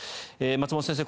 松本先生